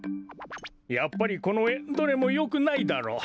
やっぱりこのえどれもよくないだろう。